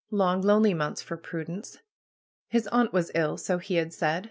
Long, lonely months for Prudence. His aunt was ill, so he had said.